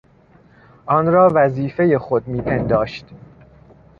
آن را وظیفهی خود میپنداشت.